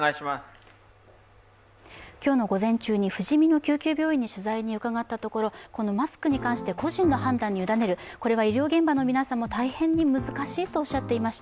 今日の午前中にふじみの救急病院に取材に伺ったところこのマスクに関して個人の判断に委ねる、こは医療現場の皆さんも大変に難しいとおっしゃっていました。